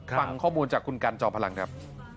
ฟังข้อมูลจากคุณกันจอมพลังครับ